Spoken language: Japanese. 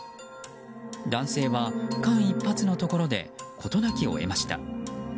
男性は間一髪のところで事なきを得ました。